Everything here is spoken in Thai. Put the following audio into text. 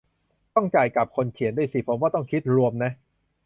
ต้องจ่ายกลับคนเขียนด้วยสิ ผมว่าต้องคิดรวมนะ